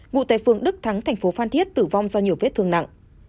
ngụ tài phương đức thắng thành phố phan thiết tử vong do nhiều vết thương nặng